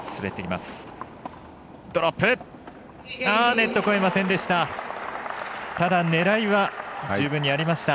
ネット越えませんでした。